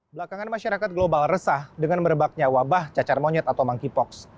belakangan masyarakat global resah dengan merebaknya wabah cacar monyet atau monkeypox